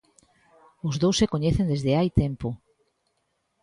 Os dous se coñecen desde hai tempo.